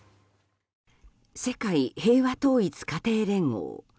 世界平和統一家庭連合。